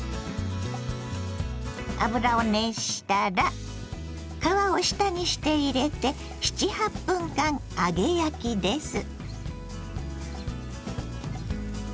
油を熱したら皮を下にして入れて７８分間揚げ焼きです。